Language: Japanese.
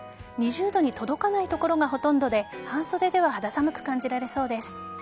２０度に届かない所がほとんどで半袖では肌寒く感じられそうです。